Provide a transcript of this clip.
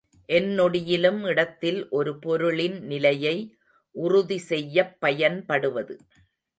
எந்நொடியிலும் இடத்தில் ஒரு பொருளின் நிலையை உறுதி செய்யப் பயன்படுவது.